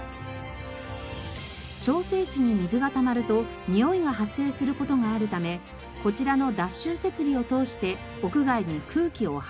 調整池に水がたまるとにおいが発生する事があるためこちらの脱臭設備を通して屋外に空気を排出しています。